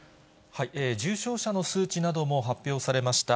重症者の数値なども発表されました。